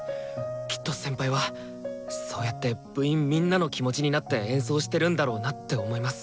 きっと先輩はそうやって部員みんなの気持ちになって演奏してるんだろうなって思います。